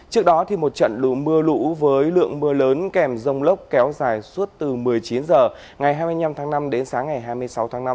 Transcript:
trước đó một trận lù mưa lũ với lượng mưa lớn kèm rông lốc kéo dài suốt từ một mươi chín h ngày hai mươi năm tháng năm đến sáng ngày hai mươi sáu tháng năm